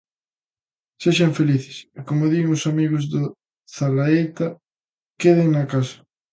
Sexan felices e, como din os amigos do Zalaeta, queden na casa.